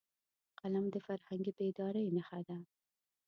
قلم د فرهنګي بیدارۍ نښه ده